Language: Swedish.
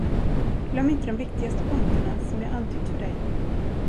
Glöm inte de viktigaste punkterna, som jag antytt för dig.